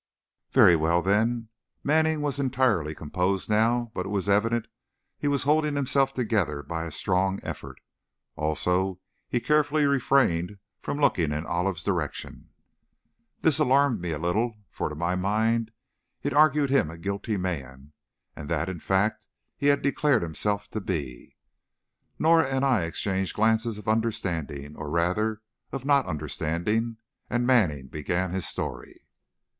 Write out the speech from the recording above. "Very well, then." Manning was entirely composed now, but it was evident he was holding himself together by a strong effort. Also, he carefully refrained from looking in Olive's direction. This alarmed me a little, for to my mind, it argued him a guilty man, and, that, in fact, he had declared himself to be. Norah and I exchanged glances of understanding, or, rather, of not understanding, and Manning began his story.